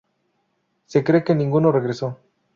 Se cree que ninguno regresó.